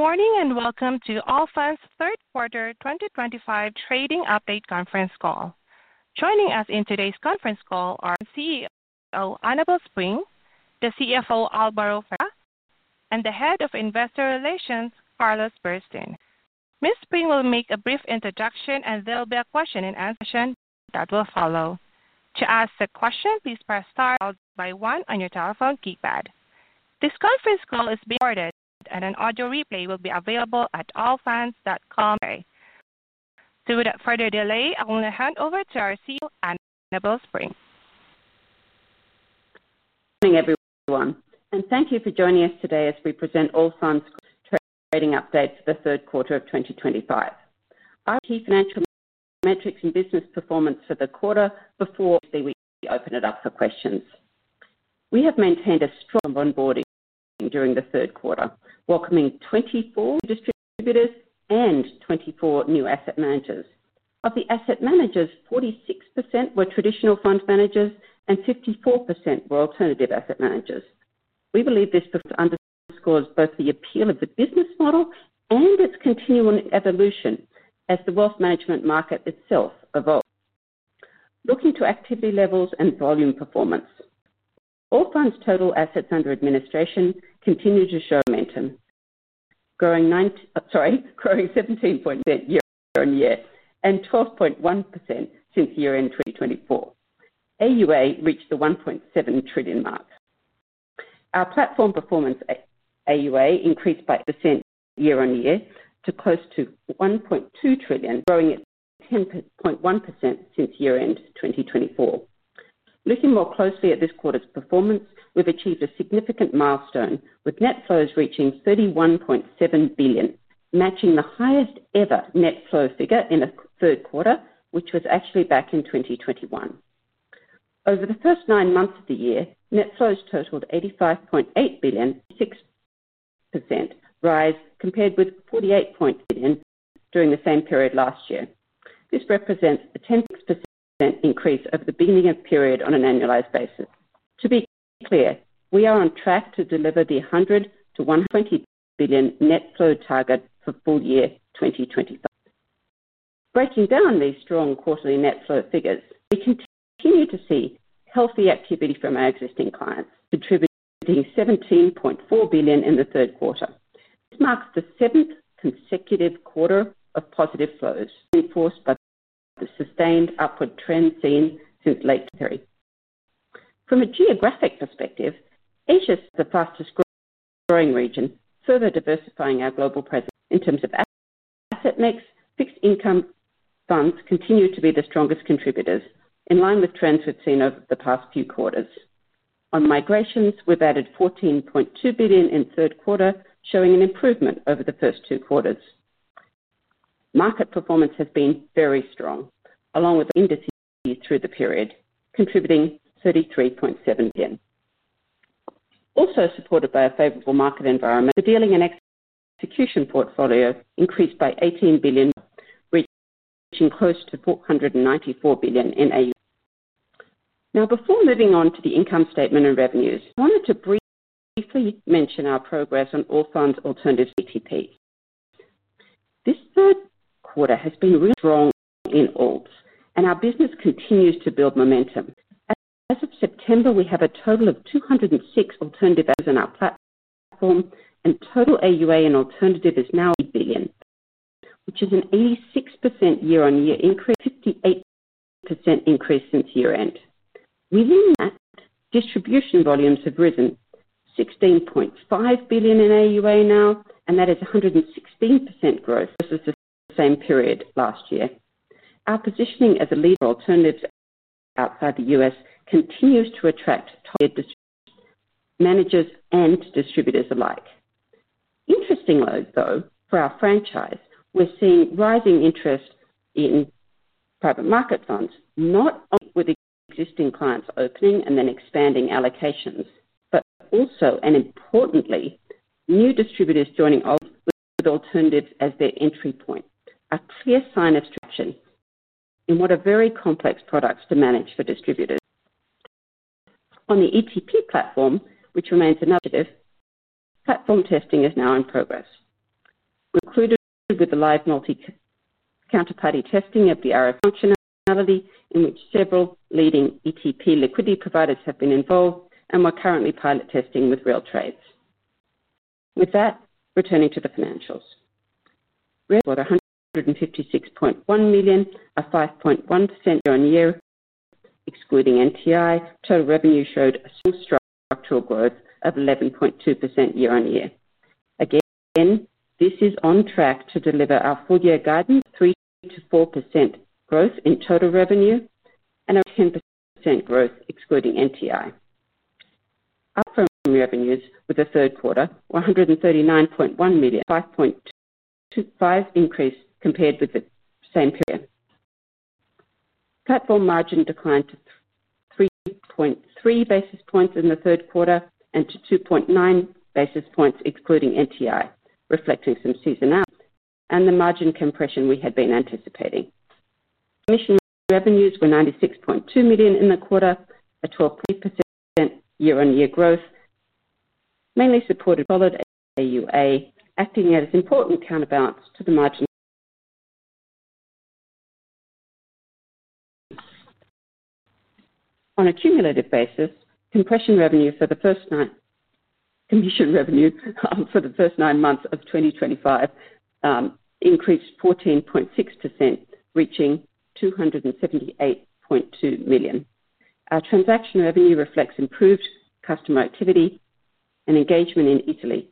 Good morning and welcome to Allfunds' third quarter 2025 trading update conference call. Joining us in today's conference call are CEO Annabel Spring, the CFO Álvaro Perera, and the Head of Investor Relations, Carlos Berastain. Ms. Spring will make a brief introduction, and there will be a question and answer session that will follow. To ask a question, please press star followed by one on your telephone keypad. This conference call is being recorded, and an audio replay will be available at allfunds.com today. Without further delay, I will now hand over to our CEO, Annabel Spring. Morning everyone, and thank you for joining us today as we present Allfunds' trading update for the third quarter of 2025. Our key financial metrics and business performance for the quarter before we open it up for questions. We have maintained a strong onboarding during the third quarter, welcoming 24 new distributors and 24 new asset managers. Of the asset managers, 46% were traditional fund managers and 54% were alternative asset managers. We believe this performance underscores both the appeal of the business model and its continual evolution as the wealth management market itself evolves. Looking to activity levels and volume performance, Allfunds' total assets under administration continue to show momentum, growing 17.9% year-on-year and 12.1% since year-end 2024. AuA reached the 1.7 trillion mark. Our platform performance at AuA increased by 8% year-on-year to close to 1.2 trillion, growing at 10.1% since year-end 2024. Looking more closely at this quarter's performance, we've achieved a significant milestone with net flows reaching 31.7 billion, matching the highest ever net flow figure in the third quarter, which was actually back in 2021. Over the first nine months of the year, net flows totaled 85.8 billion, a 26% rise compared with 48.8 billion during the same period last year. This represents a 10% increase over the beginning of the period on an annualized basis. To be clear, we are on track to deliver the 100 billion-120 billion net flow target for full year 2025. Breaking down these strong quarterly net flow figures, we continue to see healthy activity from our existing clients, contributing 17.4 billion in the third quarter. This marks the seventh consecutive quarter of positive flows, enforced by the sustained upward trend seen since late 2023. From a geographic perspective, Asia is the fastest growing region, further diversifying our global presence in terms of asset mix. Fixed income funds continue to be the strongest contributors, in line with trends we've seen over the past few quarters. On migrations, we've added EUR 14.2 billion in the third quarter, showing an improvement over the first two quarters. Market performance has been very strong, along with industry through the period, contributing 33.7 billion. Also supported by a favorable market environment, the dealing and execution portfolio increased by 18 billion, reaching close to 494 billion in AuA. Now, before moving on to the income statement and revenues, I wanted to briefly mention our progress on Allfunds' alternative ETP. This third quarter has been really strong in all, and our business continues to build momentum. As of September, we have a total of 206 alternative assets in our platform, and total AuA in alternative is now 80 billion, which is an 86% year-on-year increase, 58% increase since year-end. Within that, distribution volumes have risen to 16.5 billion in AuA now, and that is 116% growth versus the same period last year. Our positioning as a leader for alternatives outside the U.S. continues to attract top-tier managers and distributors alike. Interestingly, though, for our franchise, we're seeing rising interest in private market funds, not only with existing clients opening and then expanding allocations, but also and importantly, new distributors joining with alternatives as their entry point. A clear sign of traction in what are very complex products to manage for distributors. On the ETP platform, which remains another initiative, platform testing is now in progress. We're included with the live multi-counterparty testing of the RF functionality, in which several leading ETP liquidity providers have been involved and we're currently pilot testing with real trades. With that, returning to the financials. Revenue was EUR 156.1 million, a 5.1% year-on-year growth, excluding NTI. Total revenue showed a strong structural growth of 11.2% year-on-year. Again, this is on track to deliver our full-year guidance, 3%-4% growth in total revenue and a 10% growth, excluding NTI. Our firm revenues for the third quarter were 139.1 million, 5.25% increase compared with the same period. Platform margin declined to 3.3 basis points in the third quarter and to 2.9 basis points, excluding NTI, reflecting some seasonality and the margin compression we had been anticipating. Commission revenues were 96.2 million in the quarter, a 12.3% year-on-year growth, mainly supported by AuA, acting as an important counterbalance to the margin. On a cumulative basis, commission revenue for the first nine months of 2025 increased 14.6%, reaching 278.2 million. Our transaction revenue reflects improved customer activity and engagement in Italy,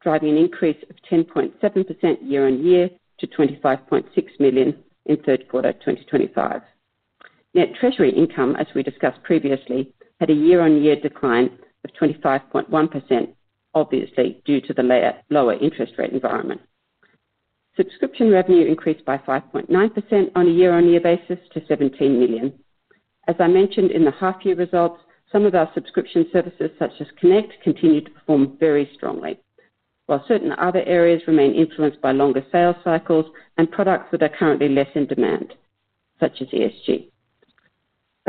driving an increase of 10.7% year-on-year to 25.6 million in third quarter 2025. Net treasury income, as we discussed previously, had a year-on-year decline of 25.1%, obviously due to the lower interest rate environment. Subscription revenue increased by 5.9% on a year-on-year basis to 17 million. As I mentioned in the half-year results, some of our subscription services, such as Connect, continue to perform very strongly, while certain other areas remain influenced by longer sales cycles and products that are currently less in demand, such as ESG-related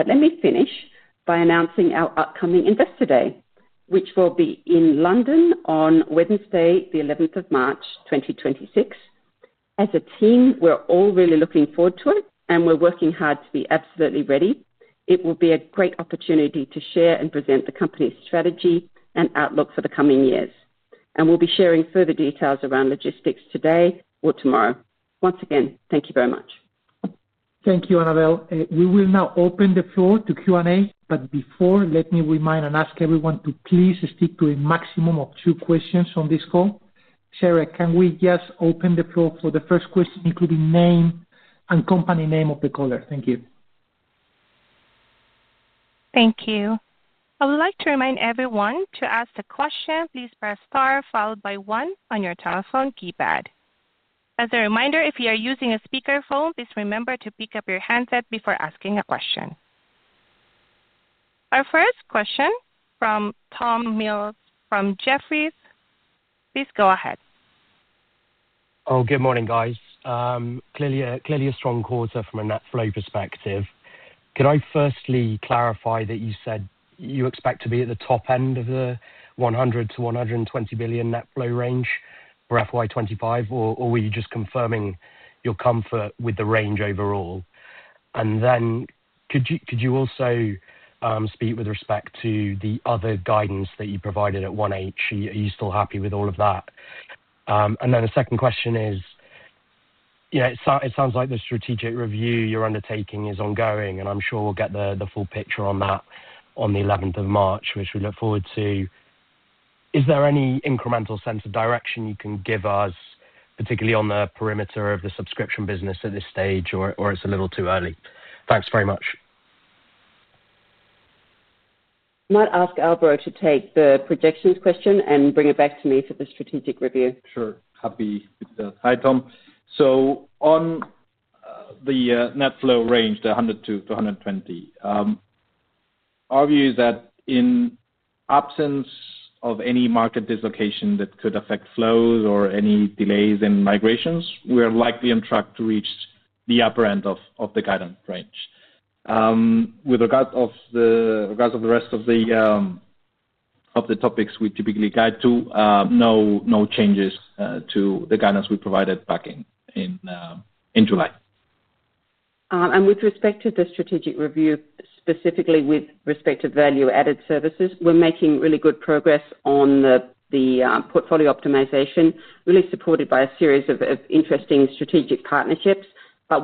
products. Let me finish by announcing our upcoming Investor Day, which will be in London on Wednesday, the 11th of March, 2026. As a team, we're all really looking forward to it, and we're working hard to be absolutely ready. It will be a great opportunity to share and present the company's strategy and outlook for the coming years. We'll be sharing further details around logistics today or tomorrow. Once again, thank you very much. Thank you, Annabel. We will now open the floor to Q&A, but before, let me remind and ask everyone to please stick to a maximum of two questions on this call. Sarah, can we just open the floor for the first question, including name and company name of the caller? Thank you. Thank you. I would like to remind everyone to ask a question, please press star followed by one on your telephone keypad. As a reminder, if you are using a speaker phone, please remember to pick up your headset before asking a question. Our first question from Tom Mills from Jefferies, please go ahead. Oh, good morning, guys. Clearly, a strong quarter from a net flow perspective. Can I firstly clarify that you said you expect to be at the top end of the 100 billion-120 billion net flow range for FY2025, or were you just confirming your comfort with the range overall? Could you also speak with respect to the other guidance that you provided at 1H? Are you still happy with all of that? The second question is, it sounds like the strategic review you're undertaking is ongoing, and I'm sure we'll get the full picture on that on the 11th of March, which we look forward to. Is there any incremental sense of direction you can give us, particularly on the perimeter of the subscription business at this stage, or it's a little too early? Thanks very much. I might ask Álvaro to take the projections question and bring it back to me for the strategic review. Sure. Happy to do that. Hi, Tom. On the net flow range, the 100 billion-120 billion, our view is that in absence of any market dislocation that could affect flows or any delays in migrations, we are likely on track to reach the upper end of the guidance range. With regards to the rest of the topics we typically guide to, no changes to the guidance we provided back in July. With respect to the strategic review, specifically with respect to value-added services, we're making really good progress on the portfolio optimization, really supported by a series of interesting strategic partnerships.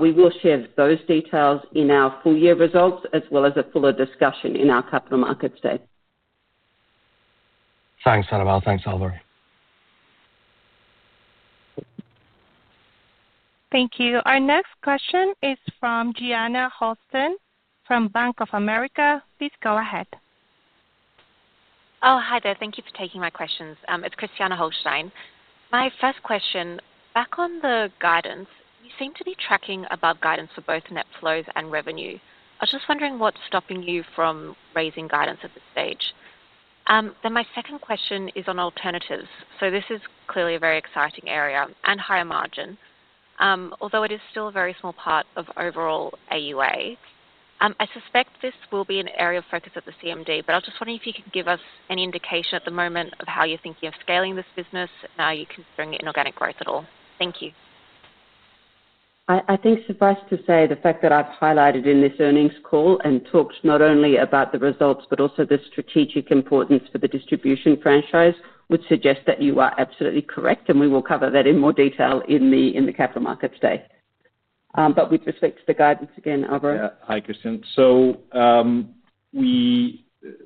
We will share those details in our full-year results, as well as a fuller discussion in our capital markets day. Thanks, Annabel. Thanks, Álvaro. Thank you. Our next question is from Gianna Holstein from Bank of America. Please go ahead. Oh, hi there. Thank you for taking my questions. It's Christiane Holstein. My first question, back on the guidance, you seem to be tracking above guidance for both net flows and revenue. I was just wondering what's stopping you from raising guidance at this stage. My second question is on alternatives. This is clearly a very exciting area and higher margin, although it is still a very small part of overall AuA. I suspect this will be an area of focus at the CMD, but I was just wondering if you can give us any indication at the moment of how you're thinking of scaling this business and are you considering inorganic growth at all? Thank you. I think, suffice to say, the fact that I've highlighted in this earnings call and talked not only about the results, but also the strategic importance for the distribution franchise would suggest that you are absolutely correct. We will cover that in more detail in the Capital Markets Day. With respect to the guidance, again, Álvaro. Yeah. Hi, Christiane.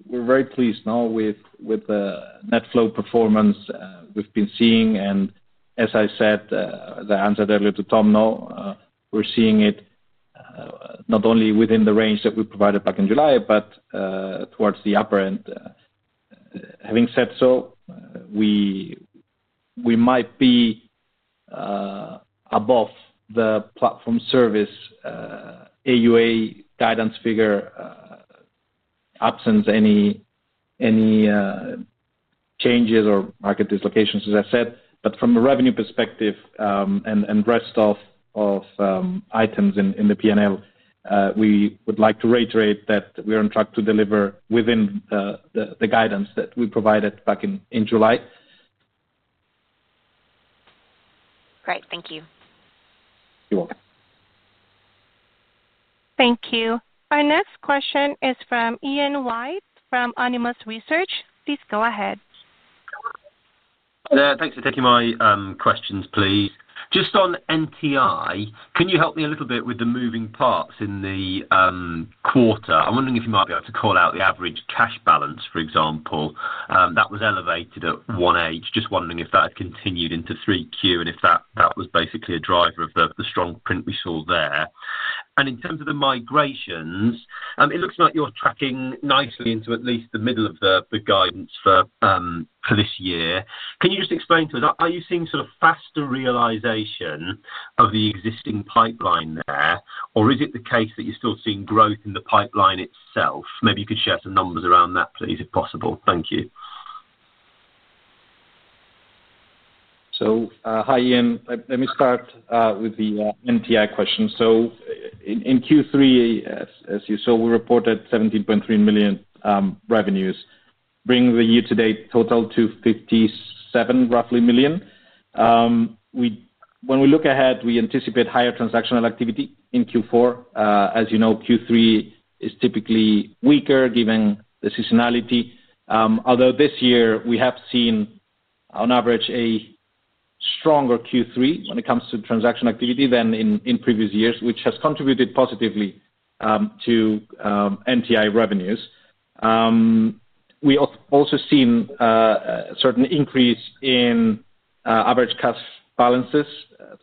We're very pleased now with the net flow performance we've been seeing. As I said, as I answered earlier to Tom, we're seeing it not only within the range that we provided back in July, but towards the upper end. Having said so, we might be above the platform service AuA guidance figure absent any changes or market dislocations, as I said. From a revenue perspective and the rest of items in the P&L, we would like to reiterate that we are on track to deliver within the guidance that we provided back in July. Great. Thank you. You're welcome. Thank you. Our next question is from Ian White from Autonomous Research. Please go ahead. Thanks for taking my questions, please. Just on NTI, can you help me a little bit with the moving parts in the quarter? I'm wondering if you might be able to call out the average cash balance, for example. That was elevated at 1H. Just wondering if that has continued into 3Q and if that was basically a driver of the strong print we saw there. In terms of the migrations, it looks like you're tracking nicely into at least the middle of the guidance for this year. Can you just explain to us, are you seeing sort of faster realization of the existing pipeline there, or is it the case that you're still seeing growth in the pipeline itself? Maybe you could share some numbers around that, please, if possible. Thank you. Hi, Ian. Let me start with the NTI question. In Q3, as you saw, we reported 17.3 million revenues, bringing the year-to-date total to roughly 57 million. When we look ahead, we anticipate higher transactional activity in Q4. As you know, Q3 is typically weaker given the seasonality. Although this year, we have seen, on average, a stronger Q3 when it comes to transactional activity than in previous years, which has contributed positively to NTI revenues. We've also seen a certain increase in average cash balances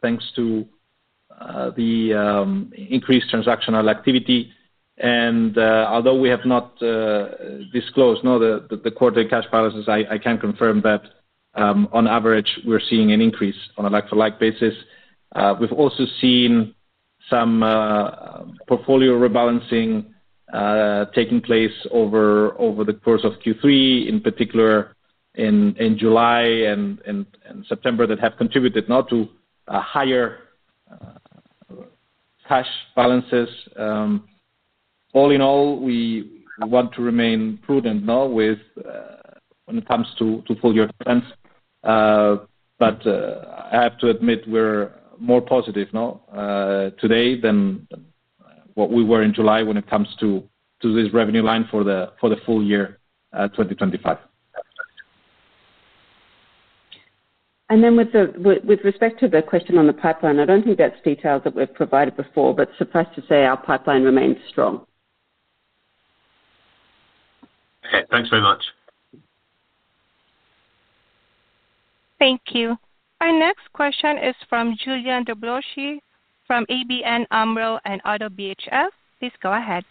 thanks to the increased transactional activity. Although we have not disclosed the quarterly cash balances, I can confirm that, on average, we're seeing an increase on an electrolyte basis. We've also seen some portfolio rebalancing taking place over the course of Q3, in particular in July and September, that have contributed now to higher cash balances. All in all, we want to remain prudent now when it comes to full-year guidance. I have to admit we're more positive now today than what we were in July when it comes to this revenue line for the full year 2025. With respect to the question on the pipeline, I don't think that's details that we've provided before, but suffice to say, our pipeline remains strong. Okay, thanks very much. Thank you. Our next question is from Iulian Dobrovolschi from ABN AMRO - ODDO BHF. Please go ahead.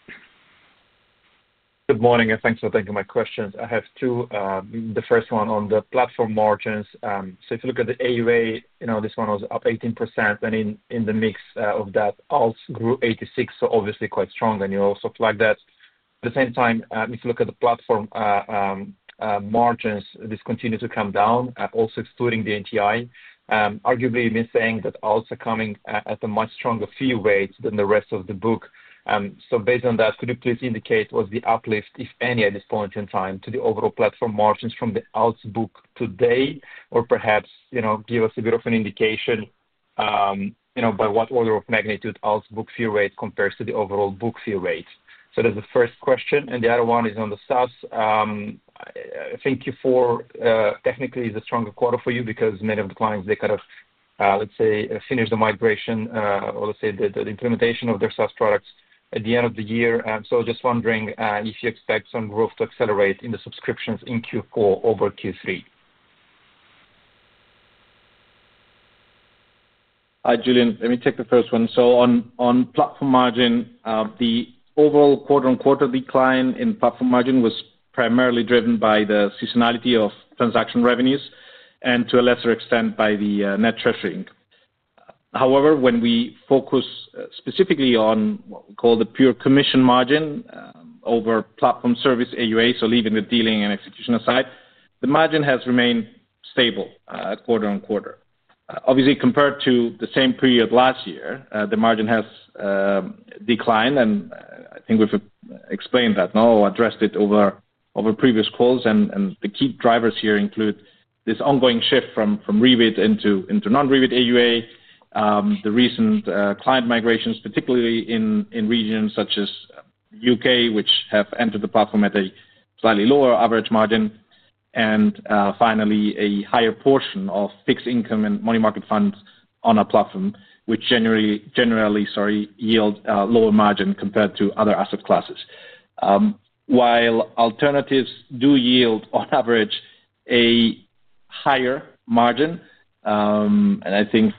Good morning, and thanks for taking my questions. I have two. The first one on the platform margins. If you look at the AuA, you know this one was up 18%. In the mix of that, alternative assets grew 86%, so obviously quite strong. You also flagged that. At the same time, if you look at the platform margins, this continues to come down, also excluding the net treasury income. Arguably, you've been saying that alternative assets are coming at a much stronger fee rate than the rest of the book. Based on that, could you please indicate what's the uplift, if any, at this point in time to the overall platform margins from the alternative assets book today? Perhaps, you know, give us a bit of an indication, you know, by what order of magnitude the alternative assets book fee rate compares to the overall book fee rate. That's the first question. The other one is on the subscription services. I think Q4 technically is a stronger quarter for you because many of the clients, they kind of, let's say, finish the migration or let's say the implementation of their subscription services products at the end of the year. I was just wondering if you expect some growth to accelerate in the subscriptions in Q4 over Q3. Hi. Julian, let me take the first one. On platform margin, the overall quarter-on-quarter decline in platform margin was primarily driven by the seasonality of transaction revenues and, to a lesser extent, by the net treasury. However, when we focus specifically on what we call the pure commission margin over platform service AuA, leaving the dealing and execution aside, the margin has remained stable quarter-on-quarter. Obviously, compared to the same period last year, the margin has declined. I think we've explained that now, addressed it over previous calls. The key drivers here include this ongoing shift from rebate into non-rebate AuA, the recent client migrations, particularly in regions such as the U.K., which have entered the platform at a slightly lower average margin, and finally, a higher portion of fixed income and money market funds on our platform, which generally yield a lower margin compared to other asset classes. While alternative assets do yield, on average, a higher margin, and I think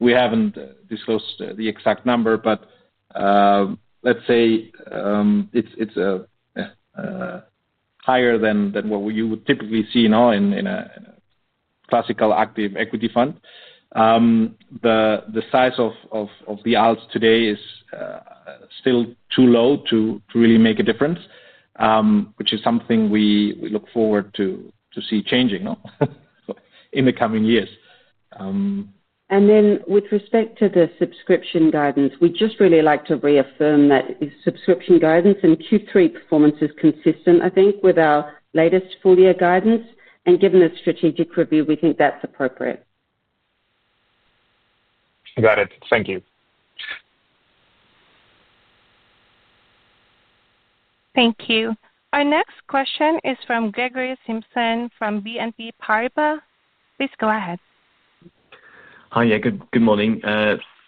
we haven't disclosed the exact number, but let's say it's higher than what you would typically see now in a classical active equity fund. The size of the alternatives today is still too low to really make a difference, which is something we look forward to see changing in the coming years. With respect to the subscription guidance, we'd just really like to reaffirm that subscription guidance in Q3 performance is consistent, I think, with our latest full-year guidance. Given the strategic review, we think that's appropriate. Got it. Thank you. Thank you. Our next question is from Gregory Simpson from BNP Paribas. Please go ahead. Hi, yeah. Good morning.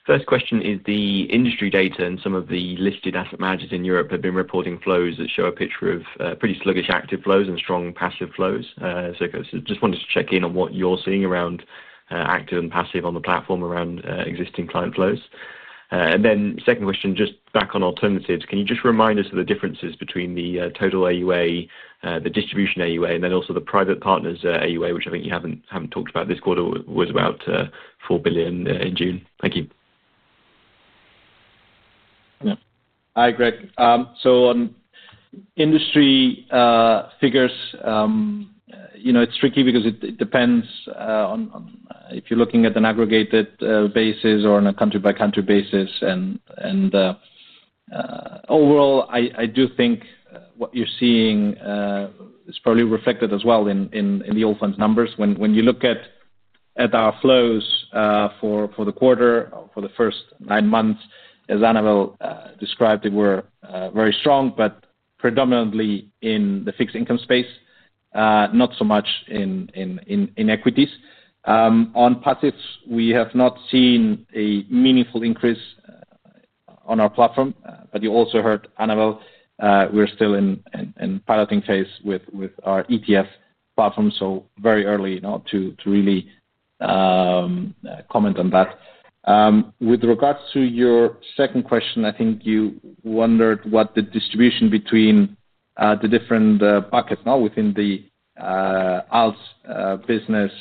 First question is the industry data and some of the listed asset managers in Europe have been reporting flows that show a picture of pretty sluggish active flows and strong passive flows. I just wanted to check in on what you're seeing around active and passive on the platform around existing client flows. Second question, just back on alternatives, can you just remind us of the differences between the total AuA, the distribution AuA, and also the private partners AuA, which I think you haven't talked about this quarter? It was about 4 billion in June. Thank you. Hi, Greg. On industry figures, you know it's tricky because it depends on if you're looking at an aggregated basis or on a country-by-country basis. Overall, I do think what you're seeing is probably reflected as well in the Allfunds numbers. When you look at our flows for the quarter, for the first nine months, as Annabel described, they were very strong, but predominantly in the fixed income space, not so much in equities. On passives, we have not seen a meaningful increase on our platform. You also heard Annabel, we're still in a piloting phase with our ETP platform, so very early to really comment on that. With regards to your second question, I think you wondered what the distribution between the different buckets now within the alternative assets business.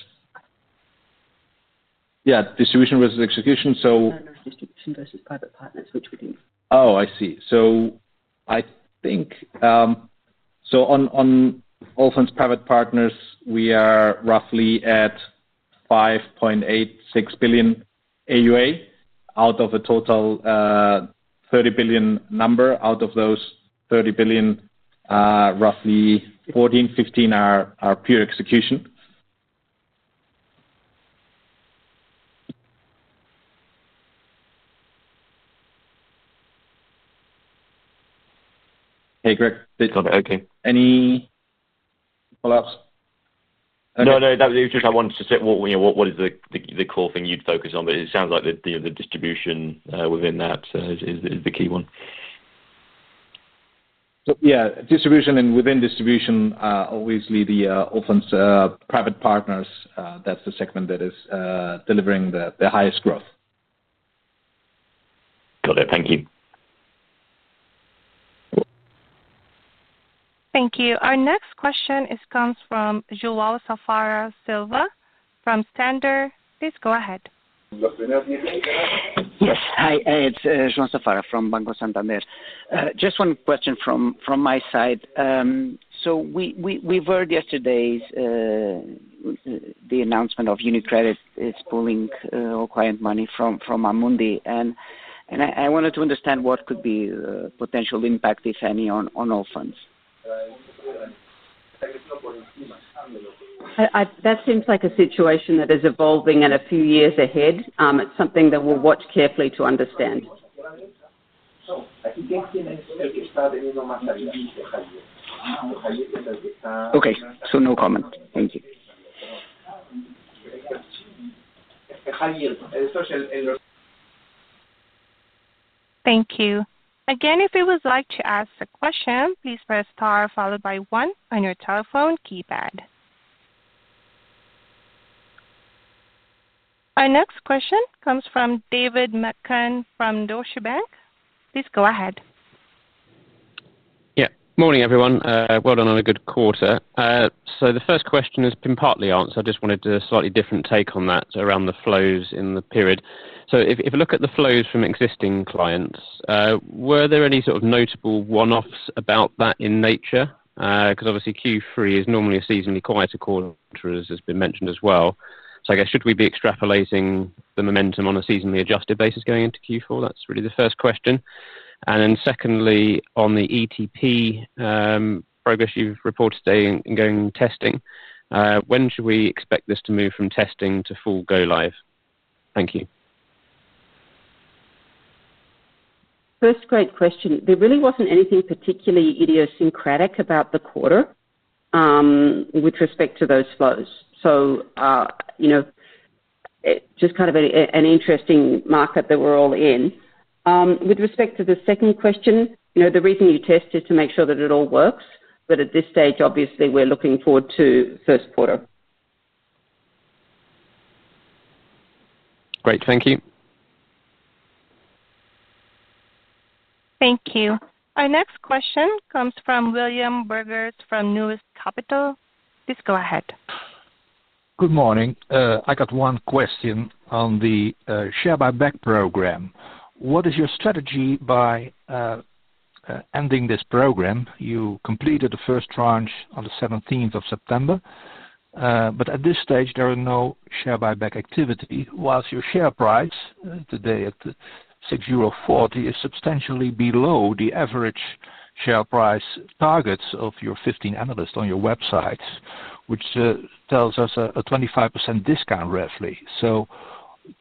Yeah, distribution versus execution. Partners, distribution versus private partners, which we didn't. I see. On Allfunds private partners, we are roughly at 5.86 billion AuA out of a total 30 billion number. Out of those 30 billion, roughly 14 billion, 15 billion are pure execution. Hey, Greg. Sorry. Okay. Any follow-ups? No, I wanted to say what is the core thing you'd focus on? It sounds like the distribution within that is the key one. Yeah. Distribution, and within distribution, obviously, the Allfunds private partners, that's the segment that is delivering the highest growth. Got it. Thank you. Thank you. Our next question comes from João Safara Silva from Santander. Please go ahead. Yes. Hi, it's João Safara from Banco Santander. Just one question from my side. We've heard yesterday the announcement of UniCredit pulling all client money from Amundi. I wanted to understand what could be the potential impact, if any, on Allfunds. That seems like a situation that is evolving and a few years ahead. It's something that we'll watch carefully to understand. Thank you. Thank you. Again, if you would like to ask a question, please press star followed by one on your telephone keypad. Our next question comes from David McCann from Deutsche Bank. Please go ahead. Morning, everyone. Well done on a good quarter. The first question has been partly answered. I just wanted a slightly different take on that around the flows in the period. If you look at the flows from existing clients, were there any sort of notable one-offs about that in nature? Q3 is normally a seasonally quieter quarter, as has been mentioned as well. I guess should we be extrapolating the momentum on a seasonally adjusted basis going into Q4? That's really the first question. Secondly, on the ETP progress you've reported today in going testing, when should we expect this to move from testing to full go-live? Thank you. First, great question. There really wasn't anything particularly idiosyncratic about the quarter with respect to those flows. It is just kind of an interesting market that we're all in. With respect to the second question, the reason you test is to make sure that it all works. At this stage, obviously, we're looking forward to the first quarter. Great. Thank you. Thank you. Our next question comes from William Borwege from Norwest Capital. Please go ahead. Good morning. I got one question on the share buyback program. What is your strategy by ending this program? You completed the first tranche on the 17th of September. At this stage, there are no share buyback activities, while your share price today at 6.40 euro is substantially below the average share price targets of your 15 analysts on your website, which tells us a 25% discount, roughly.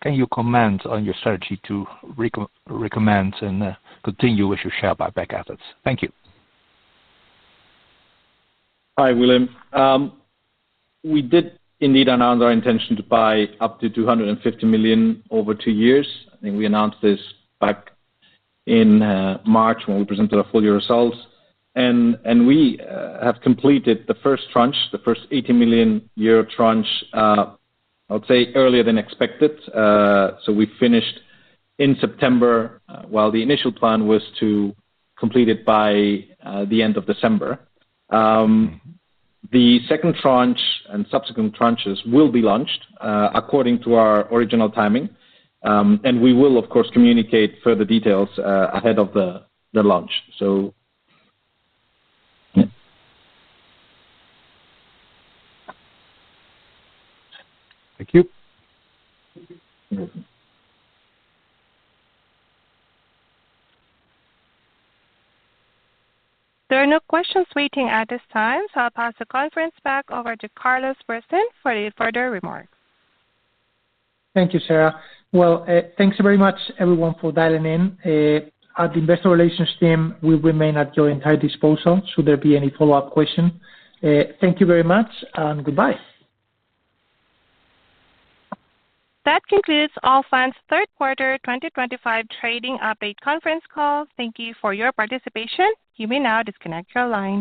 Can you comment on your strategy to recommend and continue with your share buyback efforts? Thank you. Hi, William. We did indeed announce our intention to buy up to 250 million over two years. I think we announced this back in March when we presented our full-year results. We have completed the first tranche, the first 80 million euro tranche, earlier than expected. We finished in September, while the initial plan was to complete it by the end of December. The second tranche and subsequent tranches will be launched according to our original timing. We will, of course, communicate further details ahead of the launch. Thank you. There are no questions waiting at this time, so I'll pass the conference back over to Carlos Berastain for any further remarks. Thank you, Sarah. Thank you very much, everyone, for dialing in. A`t the Investor Relations team, we remain at your entire disposal should there be any follow-up questions. Thank you very much, and goodbye. That concludes Allfunds' third quarter 2025 trading update conference call. Thank you for your participation. You may now disconnect your line.